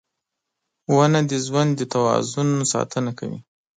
• ونه د ژوند د توازن ساتنه کوي.